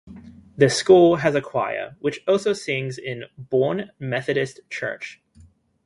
The school has a choir which also sings in Bourne Methodist Church.